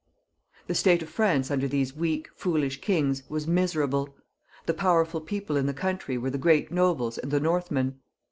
The state of France under these weak, foolish kings was miserable. The powerful people in the country were the great nobles and the Northmen.